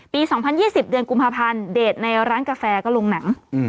๒๐๒๐เดือนกุมภาพันธ์เดทในร้านกาแฟก็ลงหนัง